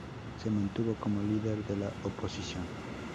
Se mantuvo como líder de la oposición.